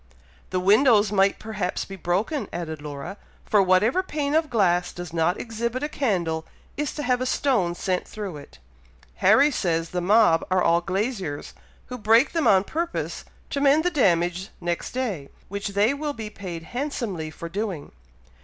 "The windows might perhaps be broken," added Laura; "for whatever pane of glass does not exhibit a candle, is to have a stone sent through it. Harry says the mob are all glaziers, who break them on purpose to mend the damage next day, which they will be paid handsomely for doing."